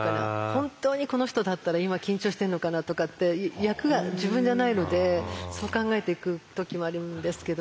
本当にこの人だったら今緊張してんのかなとかって役が自分じゃないのでそう考えていく時もあるんですけど。